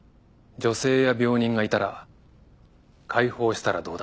女性や病人がいたら解放したらどうだ？